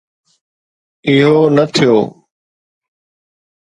اهو نه ٿيو.